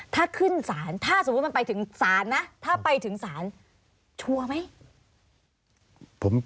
ถ้าขึ้นศาลถ้าสมมุติมันไปถึงศาลนะถ้าไปถึงศาลชัวร์ไหม